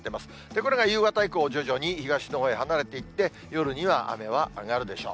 これが夕方以降、徐々に東のほうに離れていって、夜には雨は上がるでしょう。